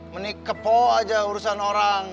menikpo aja urusan orang